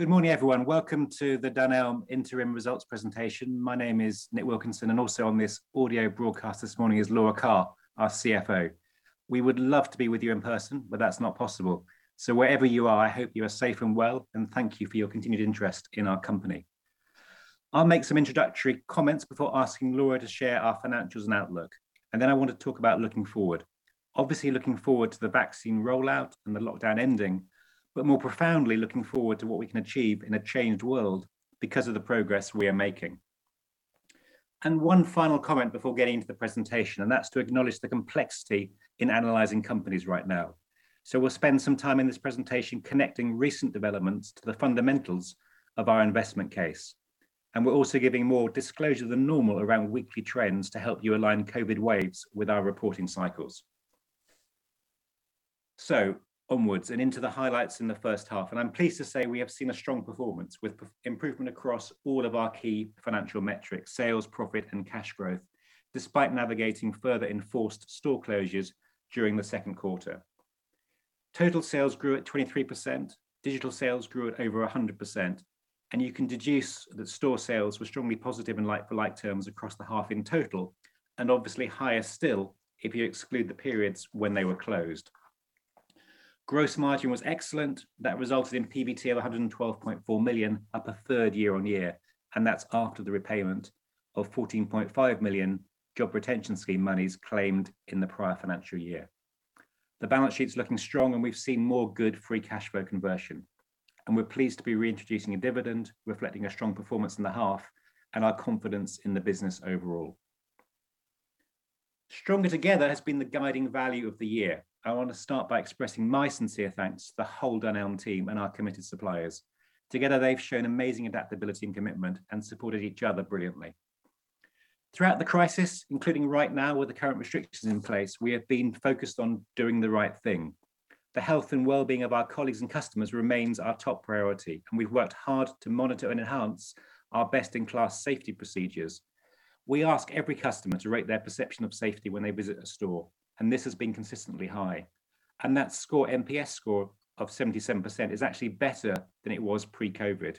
Good morning, everyone. Welcome to the Dunelm Interim Results Presentation. My name is Nick Wilkinson, and also on this audio broadcast this morning is Laura Carr, our CFO. We would love to be with you in person, but that's not possible. Wherever you are, I hope you are safe and well, and thank you for your continued interest in our company. I'll make some introductory comments before asking Laura to share our financials and outlook, and then I want to talk about looking forward. Obviously looking forward to the vaccine rollout and the lockdown ending, but more profoundly looking forward to what we can achieve in a changed world because of the progress we are making. One final comment before getting into the presentation, and that's to acknowledge the complexity in analyzing companies right now. We'll spend some time in this presentation connecting recent developments to the fundamentals of our investment case, and we're also giving more disclosure than normal around weekly trends to help you align COVID waves with our reporting cycles. Onwards and into the highlights in the first half, and I'm pleased to say we have seen a strong performance with improvement across all of our key financial metrics, sales, profit, and cash growth, despite navigating further enforced store closures during the second quarter. Total sales grew at 23%, digital sales grew at over 100%, and you can deduce that store sales were strongly positive in like-for-like terms across the half in total, and obviously higher still if you exclude the periods when they were closed. Gross margin was excellent. That resulted in PBT of 112.4 million, up a third year-on-year, and that's after the repayment of 14.5 million Job Retention Scheme monies claimed in the prior financial year. The balance sheet's looking strong, and we've seen more good free cash flow conversion, and we're pleased to be reintroducing a dividend reflecting a strong performance in the half and our confidence in the business overall. Stronger Together has been the guiding value of the year. I want to start by expressing my sincere thanks to the whole Dunelm team and our committed suppliers. Together, they've shown amazing adaptability and commitment and supported each other brilliantly. Throughout the crisis, including right now with the current restrictions in place, we have been focused on doing the right thing. The health and wellbeing of our colleagues and customers remains our top priority. We've worked hard to monitor and enhance our best-in-class safety procedures. We ask every customer to rate their perception of safety when they visit a store. This has been consistently high, and that NPS score of 77% is actually better than it was pre-COVID.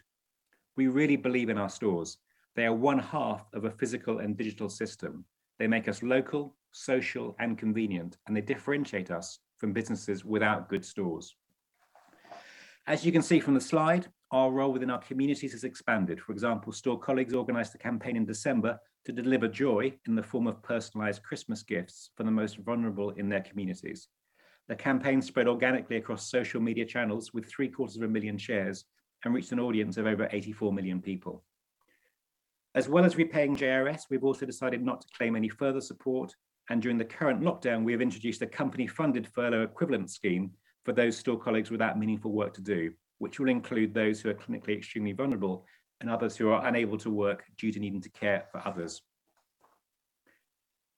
We really believe in our stores. They are one half of a physical and digital system. They make us local, social, and convenient. They differentiate us from businesses without good stores. As you can see from the slide, our role within our communities has expanded. For example, store colleagues organized a campaign in December to deliver joy in the form of personalized Christmas gifts for the most vulnerable in their communities. The campaign spread organically across social media channels with three-quarters of a million shares and reached an audience of over 84 million people. As well as repaying JRS, we've also decided not to claim any further support, and during the current lockdown, we have introduced a company-funded furlough equivalent scheme for those store colleagues without meaningful work to do, which will include those who are clinically extremely vulnerable and others who are unable to work due to needing to care for others.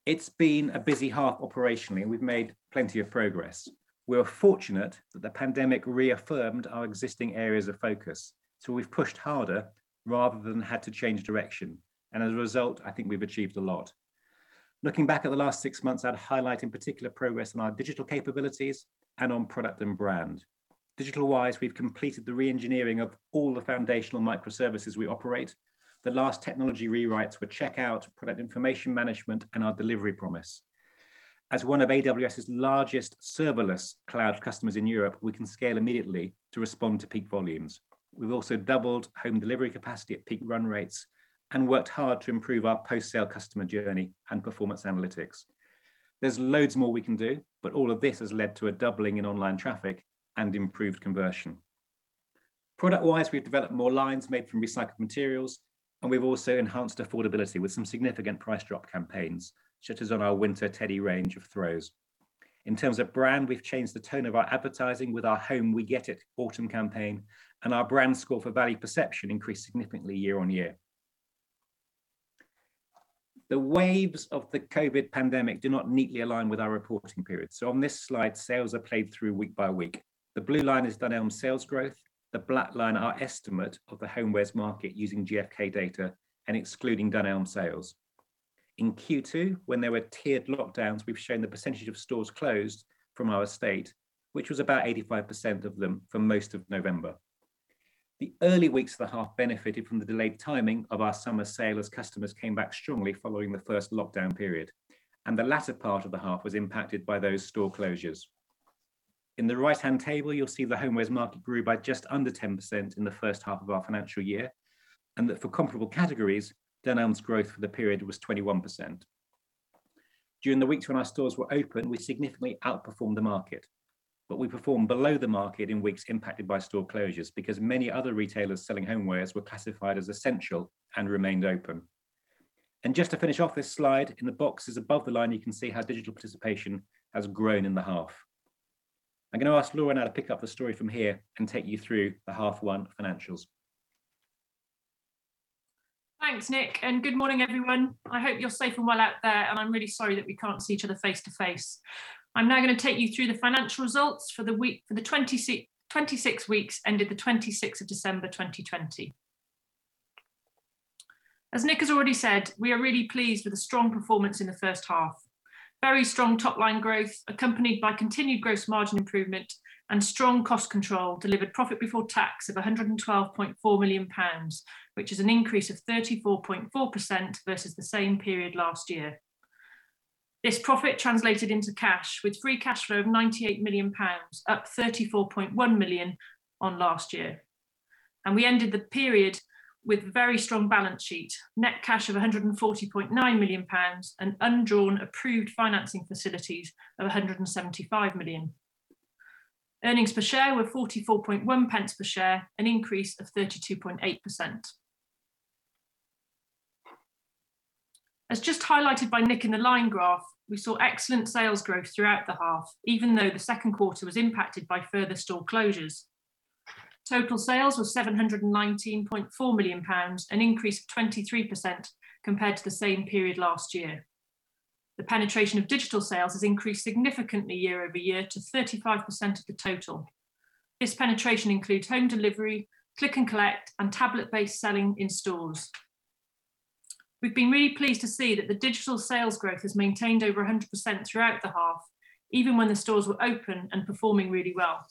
It's been a busy half operationally and we've made plenty of progress. We are fortunate that the pandemic reaffirmed our existing areas of focus, so we've pushed harder rather than had to change direction, and as a result, I think we've achieved a lot. Looking back at the last six months, I'd highlight in particular progress in our digital capabilities and on product and brand. Digital-wise, we've completed the re-engineering of all the foundational microservices we operate. The last technology rewrites were checkout, product information management, and our delivery promise. As one of AWS's largest serverless cloud customers in Europe, we can scale immediately to respond to peak volumes. We've also doubled home delivery capacity at peak run rates and worked hard to improve our post-sale customer journey and performance analytics. There's loads more we can do, but all of this has led to a doubling in online traffic and improved conversion. Product-wise, we've developed more lines made from recycled materials, and we've also enhanced affordability with some significant price drop campaigns, such as on our winter teddy range of throws. In terms of brand, we've changed the tone of our advertising with our Home, We Get It autumn campaign, and our brand score for value perception increased significantly year-on-year. The waves of the COVID pandemic do not neatly align with our reporting period. On this slide, sales are played through week by week. The blue line is Dunelm's sales growth, the black line our estimate of the homewares market using GfK data and excluding Dunelm sales. In Q2, when there were tiered lockdowns, we've shown the percentage of stores closed from our estate, which was about 85% of them for most of November. The early weeks of the half benefited from the delayed timing of our summer sale as customers came back strongly following the first lockdown period. The latter part of the half was impacted by those store closures. In the right-hand table, you'll see the homewares market grew by just under 10% in the first half of our financial year, and that for comparable categories, Dunelm's growth for the period was 21%. During the weeks when our stores were open, we significantly outperformed the market. We performed below the market in weeks impacted by store closures because many other retailers selling homewares were classified as essential and remained open. Just to finish off this slide, in the boxes above the line, you can see how digital participation has grown in the half. I'm going to ask Laura now to pick up the story from here and take you through the half one financials. Thanks, Nick, and good morning, everyone. I hope you're safe and well out there, and I'm really sorry that we can't see each other face to face. I'm now going to take you through the financial results for the 26 weeks ended the 26th of December 2020. As Nick has already said, we are really pleased with the strong performance in the first half. Very strong top-line growth, accompanied by continued gross margin improvement and strong cost control delivered profit before tax of 112.4 million pounds, which is an increase of 34.4% versus the same period last year. This profit translated into cash, with free cash flow of 98 million pounds, up 34.1 million on last year. We ended the period with a very strong balance sheet, net cash of 140.9 million pounds and undrawn approved financing facilities of 175 million. Earnings per share were 0.441 per share, an increase of 32.8%. As just highlighted by Nick in the line graph, we saw excellent sales growth throughout the half, even though the second quarter was impacted by further store closures. Total sales were 719.4 million pounds, an increase of 23% compared to the same period last year. The penetration of digital sales has increased significantly year-over-year to 35% of the total. This penetration includes home delivery, click and collect, and tablet-based selling in stores. We've been really pleased to see that the digital sales growth has maintained over 100% throughout the half, even when the stores were open and performing really well.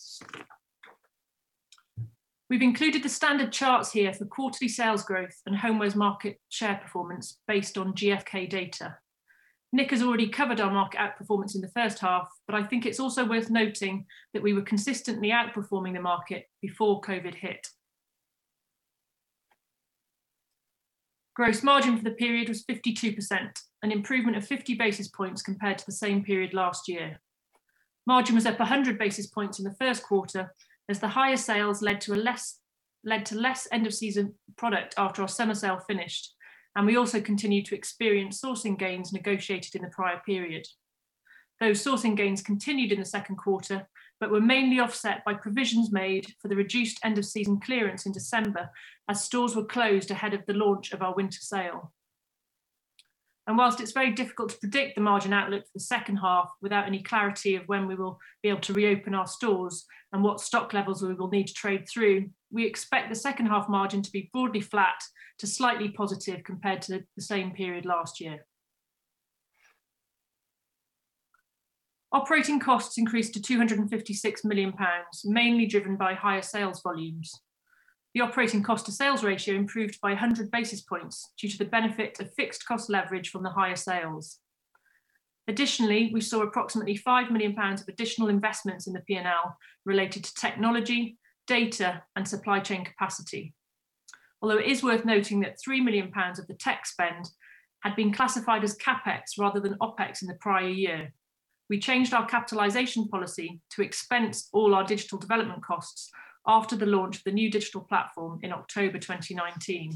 We've included the standard charts here for quarterly sales growth and homewares market share performance based on GfK data. Nick has already covered our market outperformance in the first half, but I think it's also worth noting that we were consistently outperforming the market before COVID hit. Gross margin for the period was 52%, an improvement of 50 basis points compared to the same period last year. Margin was up 100 basis points in the first quarter as the higher sales led to less end of season product after our summer sale finished, and we also continued to experience sourcing gains negotiated in the prior period. Those sourcing gains continued in the second quarter but were mainly offset by provisions made for the reduced end of season clearance in December as stores were closed ahead of the launch of our winter sale. Whilst it's very difficult to predict the margin outlook for the second half without any clarity of when we will be able to reopen our stores and what stock levels we will need to trade through, we expect the second half margin to be broadly flat to slightly positive compared to the same period last year. Operating costs increased to 256 million pounds, mainly driven by higher sales volumes. The operating cost to sales ratio improved by 100 basis points due to the benefit of fixed cost leverage from the higher sales. Additionally, we saw approximately 5 million pounds of additional investments in the P&L related to technology, data, and supply chain capacity. Although it is worth noting that 3 million pounds of the tech spend had been classified as CapEx rather than OpEx in the prior year. We changed our capitalization policy to expense all our digital development costs after the launch of the new digital platform in October 2019.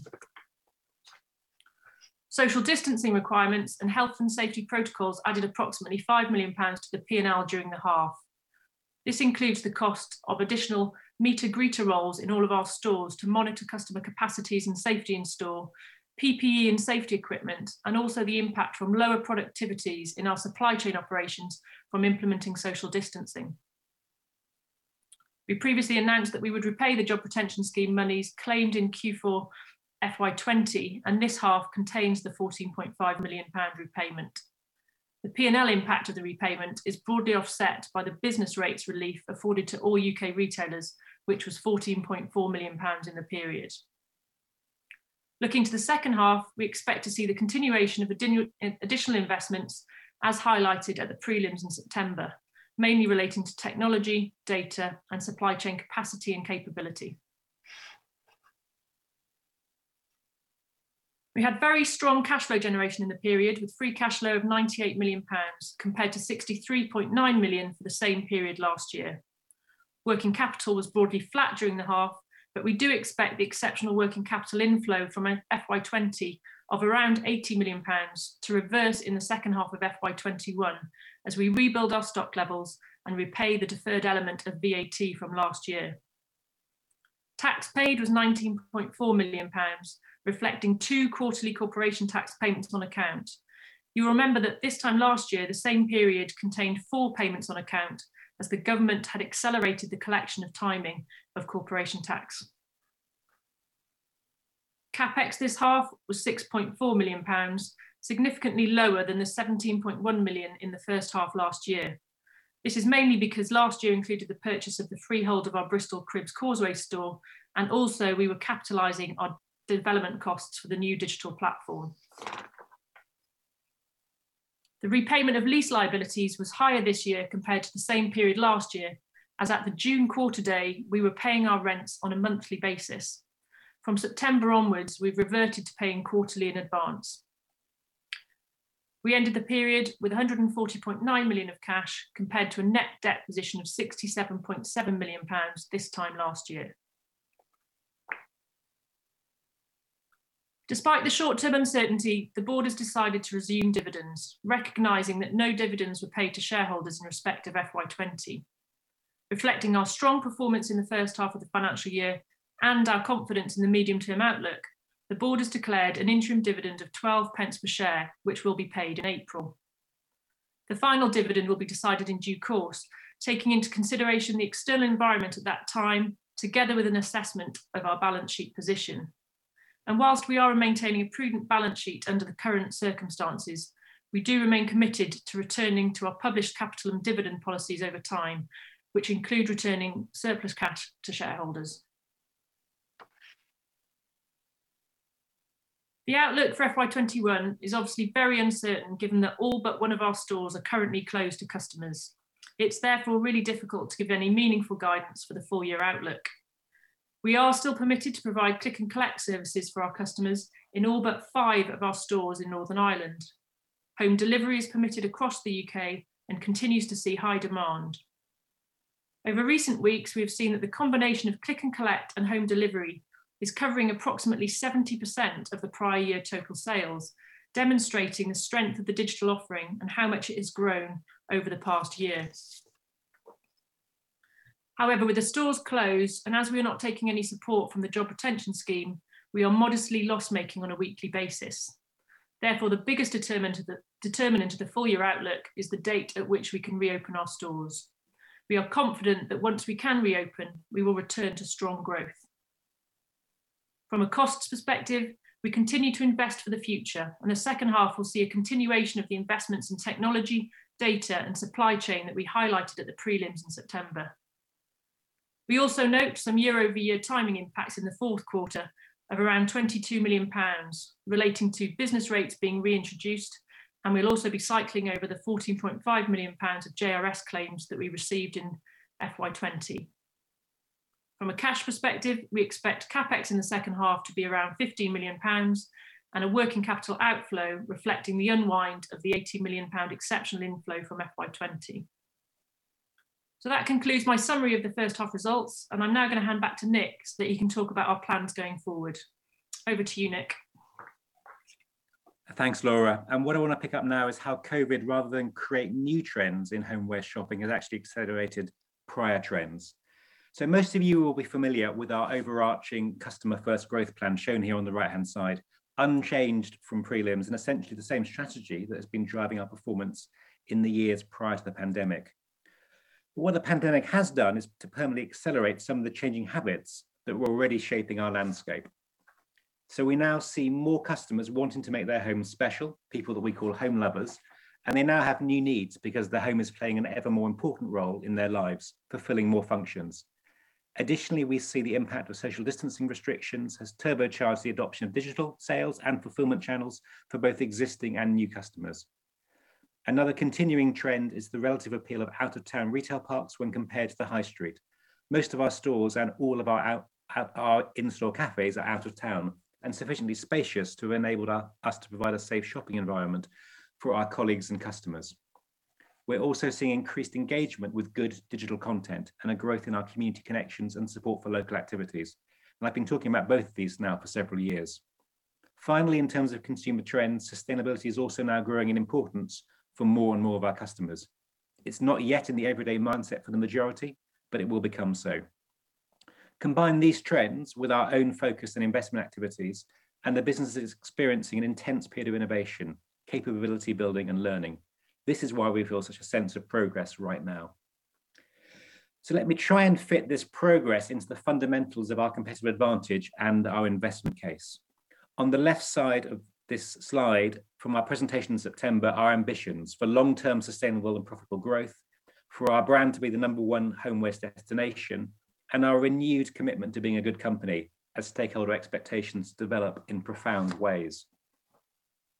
Social distancing requirements and health and safety protocols added approximately 5 million pounds to the P&L during the half. This includes the cost of additional meeter greeter roles in all of our stores to monitor customer capacities and safety in store, PPE and safety equipment, and also the impact from lower productivities in our supply chain operations from implementing social distancing. We previously announced that we would repay the Job Retention Scheme monies claimed in Q4 FY 2020, and this half contains the 14.5 million pound repayment. The P&L impact of the repayment is broadly offset by the business rates relief afforded to all U.K. retailers, which was 14.4 million pounds in the period. Looking to the second half, we expect to see the continuation of additional investments as highlighted at the prelims in September, mainly relating to technology, data, and supply chain capacity and capability. We had very strong cash flow generation in the period, with free cash flow of 98 million pounds, compared to 63.9 million for the same period last year. Working capital was broadly flat during the half, but we do expect the exceptional working capital inflow from FY 2020 of around 80 million pounds to reverse in the second half of FY 2021 as we rebuild our stock levels and repay the deferred element of VAT from last year. Tax paid was 19.4 million pounds, reflecting two quarterly corporation tax payments on account. You'll remember that this time last year, the same period contained four payments on account, as the government had accelerated the collection of timing of corporation tax. CapEx this half was 6.4 million pounds, significantly lower than the 17.1 million in the first half last year. This is mainly because last year included the purchase of the freehold of our Bristol Cribbs Causeway store, and also we were capitalizing on development costs for the new digital platform. The repayment of lease liabilities was higher this year compared to the same period last year, as at the June quarter day, we were paying our rents on a monthly basis. From September onwards, we've reverted to paying quarterly in advance. We ended the period with 140.9 million of cash compared to a net debt position of 67.7 million pounds this time last year. Despite the short-term uncertainty, the board has decided to resume dividends, recognizing that no dividends were paid to shareholders in respect of FY 2020. Reflecting our strong performance in the first half of the financial year and our confidence in the medium-term outlook, the board has declared an interim dividend of 0.12 per share, which will be paid in April. The final dividend will be decided in due course, taking into consideration the external environment at that time, together with an assessment of our balance sheet position. Whilst we are maintaining a prudent balance sheet under the current circumstances, we do remain committed to returning to our published capital and dividend policies over time, which include returning surplus cash to shareholders. The outlook for FY 2021 is obviously very uncertain given that all but one of our stores are currently closed to customers. It's therefore really difficult to give any meaningful guidance for the full-year outlook. We are still permitted to provide click and collect services for our customers in all but five of our stores in Northern Ireland. Home delivery is permitted across the U.K. and continues to see high demand. Over recent weeks, we have seen that the combination of click and collect and home delivery is covering approximately 70% of the prior year total sales, demonstrating the strength of the digital offering and how much it has grown over the past year. However, with the stores closed, and as we are not taking any support from the Job Retention Scheme, we are modestly loss-making on a weekly basis. The biggest determinant of the full-year outlook is the date at which we can reopen our stores. We are confident that once we can reopen, we will return to strong growth. From a cost perspective, we continue to invest for the future. The second half will see a continuation of the investments in technology, data, and supply chain that we highlighted at the prelims in September. We also note some year-over-year timing impacts in the fourth quarter of around 22 million pounds relating to business rates being reintroduced. We'll also be cycling over the 14.5 million pounds of JRS claims that we received in FY20. From a cash perspective, we expect CapEx in the second half to be around 15 million pounds and a working capital outflow reflecting the unwind of the 18 million pound exceptional inflow from FY20. That concludes my summary of the first half results. I'm now going to hand back to Nick. He can talk about our plans going forward. Over to you, Nick. Thanks, Laura. What I want to pick up now is how COVID, rather than create new trends in homeware shopping, has actually accelerated prior trends. Most of you will be familiar with our overarching customer-first growth plan shown here on the right-hand side, unchanged from prelims and essentially the same strategy that has been driving our performance in the years prior to the pandemic. What the pandemic has done is to permanently accelerate some of the changing habits that were already shaping our landscape. We now see more customers wanting to make their homes special, people that we call home lovers, and they now have new needs because the home is playing an ever more important role in their lives, fulfilling more functions. Additionally, we see the impact of social distancing restrictions has turbocharged the adoption of digital sales and fulfillment channels for both existing and new customers. Another continuing trend is the relative appeal of out-of-town retail parks when compared to the high street. Most of our stores and all of our in-store cafes are out of town and sufficiently spacious to enable us to provide a safe shopping environment for our colleagues and customers. We're also seeing increased engagement with good digital content and a growth in our community connections and support for local activities, and I've been talking about both of these now for several years. In terms of consumer trends, sustainability is also now growing in importance for more and more of our customers. It's not yet in the everyday mindset for the majority, but it will become so. Combine these trends with our own focus and investment activities, and the business is experiencing an intense period of innovation, capability building, and learning. This is why we feel such a sense of progress right now. Let me try and fit this progress into the fundamentals of our competitive advantage and our investment case. On the left side of this slide from our presentation in September, our ambitions for long-term sustainable and profitable growth, for our brand to be the number one homeware destination, and our renewed commitment to being a good company as stakeholder expectations develop in profound ways.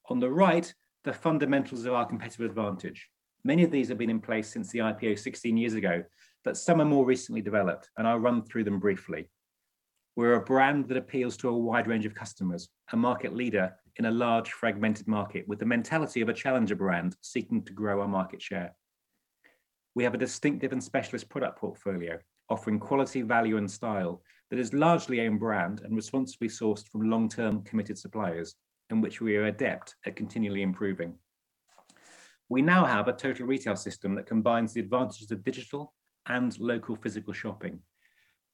On the right, the fundamentals of our competitive advantage. Many of these have been in place since the IPO 16 years ago, but some are more recently developed, and I'll run through them briefly. We're a brand that appeals to a wide range of customers, a market leader in a large fragmented market with the mentality of a challenger brand seeking to grow our market share. We have a distinctive and specialist product portfolio offering quality, value, and style that is largely own brand and responsibly sourced from long-term committed suppliers, in which we are adept at continually improving. We now have a total retail system that combines the advantages of digital and local physical shopping.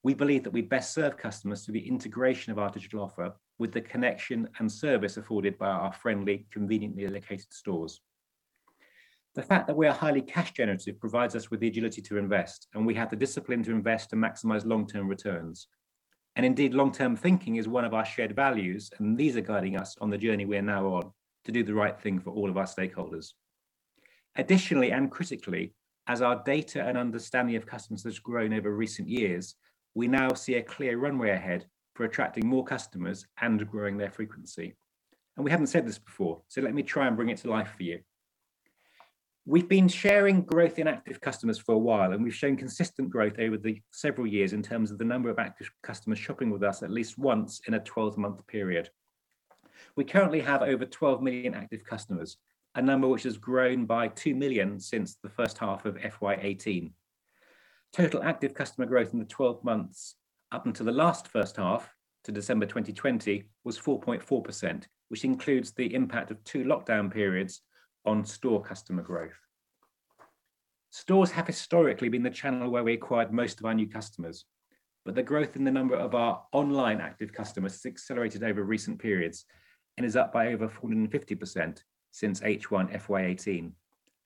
We believe that we best serve customers through the integration of our digital offer with the connection and service afforded by our friendly, conveniently located stores. The fact that we are highly cash generative provides us with the agility to invest, and we have the discipline to invest to maximize long-term returns. Indeed, long-term thinking is one of our shared values, and these are guiding us on the journey we are now on to do the right thing for all of our stakeholders. Additionally, and critically, as our data and understanding of customers has grown over recent years, we now see a clear runway ahead for attracting more customers and growing their frequency. We haven't said this before, so let me try and bring it to life for you. We've been sharing growth in active customers for a while, and we've shown consistent growth over the several years in terms of the number of active customers shopping with us at least once in a 12-month period. We currently have over 12 million active customers, a number which has grown by 2 million since the first half of FY 2018. Total active customer growth in the 12 months up until the last first half to December 2020 was 4.4%, which includes the impact of two lockdown periods on store customer growth. The growth in the number of our online active customers has accelerated over recent periods and is up by over 450% since H1 FY 2018.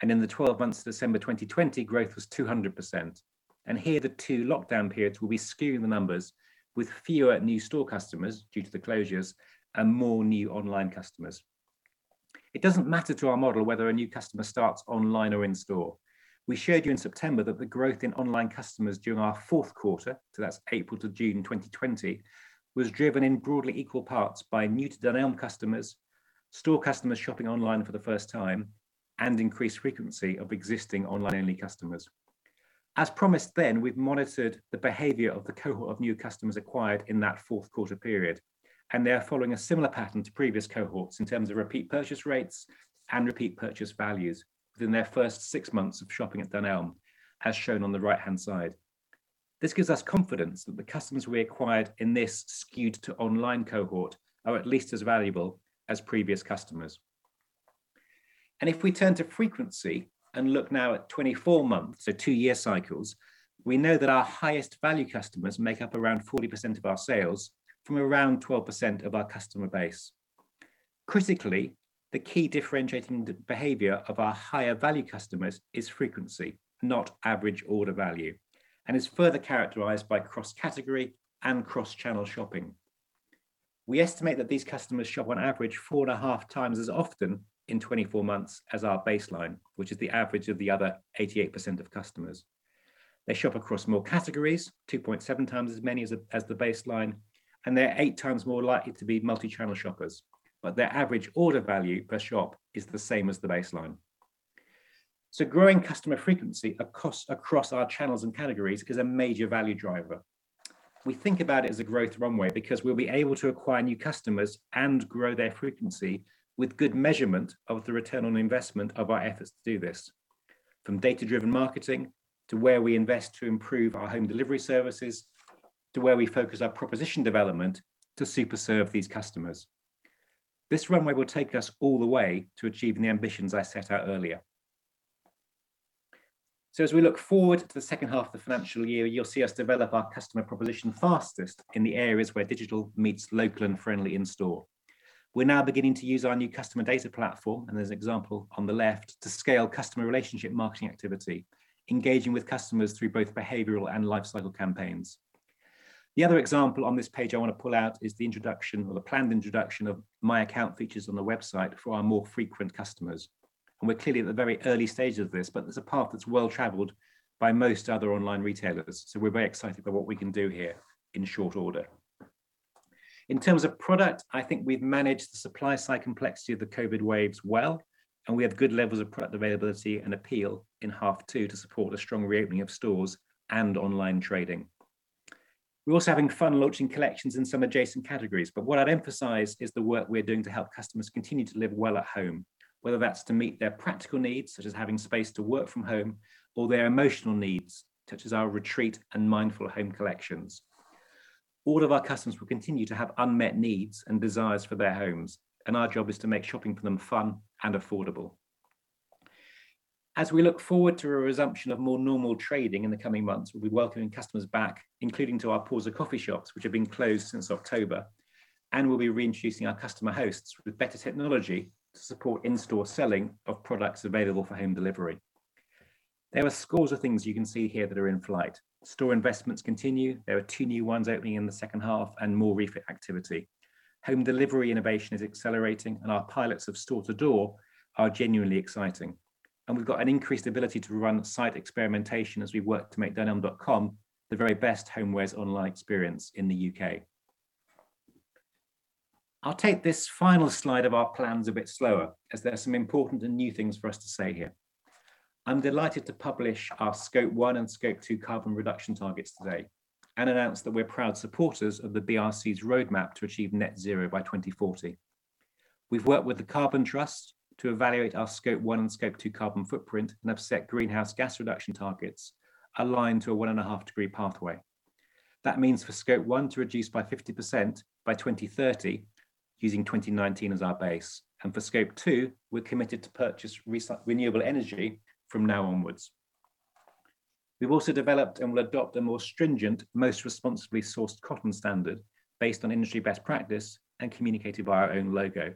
In the 12 months to December 2020, growth was 200%. Here, the two lockdown periods will be skewing the numbers with fewer new store customers due to the closures and more new online customers. It doesn't matter to our model whether a new customer starts online or in store. We showed you in September that the growth in online customers during our fourth quarter, so that's April to June 2020, was driven in broadly equal parts by new to Dunelm customers, store customers shopping online for the first time, and increased frequency of existing online-only customers. As promised, we've monitored the behavior of the cohort of new customers acquired in that fourth quarter period, and they are following a similar pattern to previous cohorts in terms of repeat purchase rates and repeat purchase values within their first six months of shopping at Dunelm, as shown on the right-hand side. This gives us confidence that the customers we acquired in this skewed to online cohort are at least as valuable as previous customers. If we turn to frequency and look now at 24 months, so two year cycles, we know that our highest value customers make up around 40% of our sales from around 12% of our customer base. Critically, the key differentiating behavior of our higher value customers is frequency, not average order value, and is further characterized by cross-category and multi-channel shopping. We estimate that these customers shop on average 4.5x as often in 24 months as our baseline, which is the average of the other 88% of customers. They shop across more categories, 2.7x as many as the baseline, and they're eight times more likely to be multi-channel shoppers, but their average order value per shop is the same as the baseline. Growing customer frequency across our channels and categories is a major value driver. We think about it as a growth runway because we'll be able to acquire new customers and grow their frequency with good measurement of the return on investment of our efforts to do this, from data-driven marketing, to where we invest to improve our home delivery services, to where we focus our proposition development to super serve these customers. This runway will take us all the way to achieving the ambitions I set out earlier. As we look forward to the second half of the financial year, you'll see us develop our customer proposition fastest in the areas where digital meets local and friendly in store. We're now beginning to use our new customer data platform, and there's an example on the left, to scale customer relationship marketing activity, engaging with customers through both behavioral and lifecycle campaigns. The other example on this page I want to pull out is the introduction or the planned introduction of my account features on the website for our more frequent customers. We're clearly at the very early stage of this, but there's a path that's well traveled by most other online retailers. We're very excited by what we can do here in short order. In terms of product, I think we've managed the supply side complexity of the COVID waves well, and we have good levels of product availability and appeal in half two to support the strong reopening of stores and online trading. We're also having fun launching collections in some adjacent categories, but what I'd emphasize is the work we're doing to help customers continue to live well at home, whether that's to meet their practical needs, such as having space to work from home, or their emotional needs, such as our Retreat and Mindful Home collections. All of our customers will continue to have unmet needs and desires for their homes, and our job is to make shopping for them fun and affordable. As we look forward to a resumption of more normal trading in the coming months, we'll be welcoming customers back, including to our Pausa coffee shops, which have been closed since October, and we'll be reintroducing our customer hosts with better technology to support in-store selling of products available for home delivery. There are scores of things you can see here that are in flight. Store investments continue. There are two new ones opening in the second half and more refit activity. Our pilots of store to door are genuinely exciting. We've got an increased ability to run site experimentation as we work to make dunelm.com the very best homewares online experience in the U.K. I'll take this final slide of our plans a bit slower as there are some important and new things for us to say here. I'm delighted to publish our Scope 1 and Scope 2 carbon reduction targets today and announce that we're proud supporters of the BRC's roadmap to achieve net zero by 2040. We've worked with the Carbon Trust to evaluate our Scope 1 and Scope 2 carbon footprint and have set greenhouse gas reduction targets aligned to a one and a half degree pathway. That means for Scope 1 to reduce by 50% by 2030 using 2019 as our base, and for Scope 2, we're committed to purchase renewable energy from now onwards. We've also developed and will adopt a more stringent, most responsibly sourced cotton standard based on industry best practice and communicated by our own logo,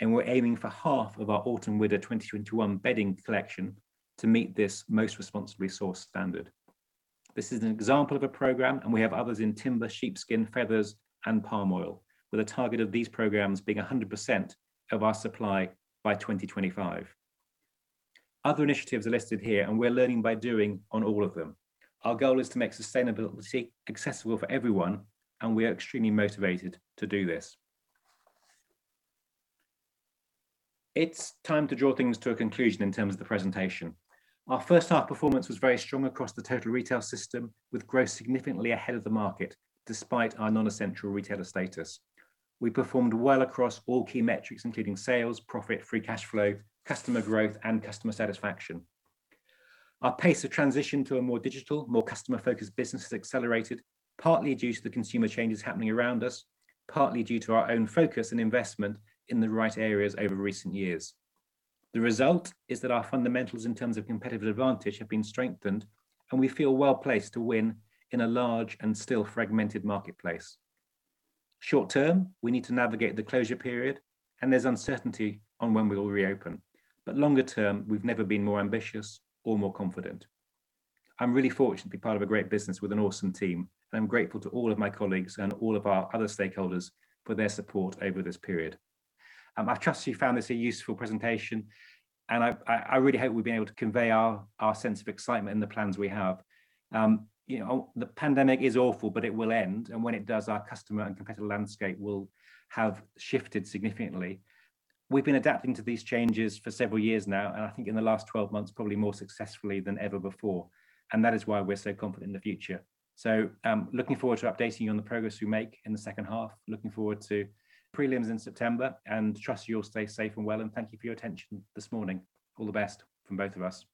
and we're aiming for half of our autumn winter 2021 bedding collection to meet this most responsibly sourced standard. This is an example of a program, and we have others in timber, sheepskin, feathers, and palm oil, with the target of these programs being 100% of our supply by 2025. Other initiatives are listed here and we're learning by doing on all of them. Our goal is to make sustainability accessible for everyone and we are extremely motivated to do this. It's time to draw things to a conclusion in terms of the presentation. Our first half performance was very strong across the total retail system, with growth significantly ahead of the market despite our non-essential retailer status. We performed well across all key metrics, including sales, profit, free cash flow, customer growth, and customer satisfaction. Our pace of transition to a more digital, more customer focused business has accelerated partly due to the consumer changes happening around us, partly due to our own focus and investment in the right areas over recent years. The result is that our fundamentals in terms of competitive advantage have been strengthened and we feel well-placed to win in a large and still fragmented marketplace. Short-term, we need to navigate the closure period and there's uncertainty on when we will reopen. Longer-term, we've never been more ambitious or more confident. I'm really fortunate to be part of a great business with an awesome team and I'm grateful to all of my colleagues and all of our other stakeholders for their support over this period. I trust you found this a useful presentation and I really hope we've been able to convey our sense of excitement and the plans we have. The pandemic is awful, but it will end, and when it does, our customer and competitive landscape will have shifted significantly. We've been adapting to these changes for several years now, and I think in the last 12 months, probably more successfully than ever before, and that is why we're so confident in the future. Looking forward to updating you on the progress we make in the second half. Looking forward to prelims in September. Trust you'll stay safe and well. Thank you for your attention this morning. All the best from both of us.